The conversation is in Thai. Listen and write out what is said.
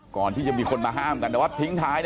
ก่อนที่จะมีคนมาห้ามกันแต่ว่าทิ้งท้ายนะ